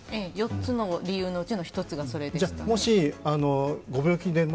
４つの理由のうちの１つがそれですね。